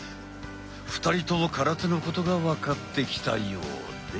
２人とも空手のことが分かってきたようで。